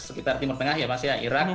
sekitar timur tengah ya mas ya irak